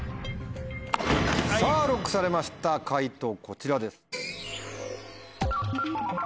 さぁＬＯＣＫされました解答こちらです。